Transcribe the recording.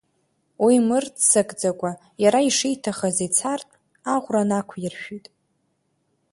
Уи мырццакӡакәа, иара ишиҭахыз ицартә, аӷәра нақәиршәит.